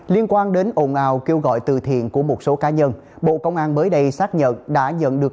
liên quan đến ồn ào kêu gọi từ thiện của một số cá nhân bộ công an mới đây xác nhận đã nhận được